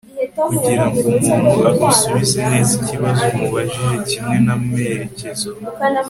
kugirango umuntu agusubize neza ikibazo umubajije kimwe n'amerekezo